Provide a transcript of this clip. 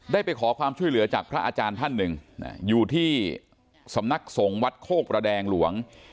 ไปขอความช่วยเหลือจากพระอาจารย์ท่านหนึ่งอยู่ที่สำนักสงฆ์วัดโคกระแดงหลวง